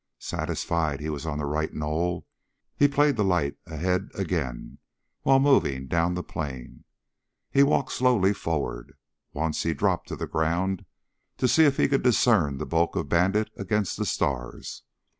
Satisfied he was on the right knoll he played the light ahead again while moving down to the plain. He walked slowly forward. Once he dropped to the ground to see if he could discern the bulk of Bandit against the stars.